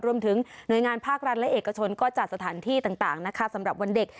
รวมถึงหน่วยงานภาครัฐและเอกชนก็จัดสถานที่ต่างนะคะสำหรับวันเด็ก